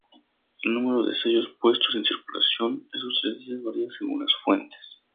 El número de sellos puestos en circulación esos tres días varía según las fuentes.